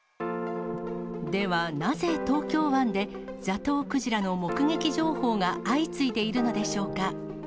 では、なぜ東京湾でザトウクジラの目撃情報が相次いでいるのでしょうか。